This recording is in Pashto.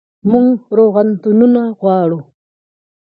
موږ روغتونونه غواړو